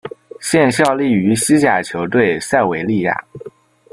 现效力于西甲球队塞维利亚。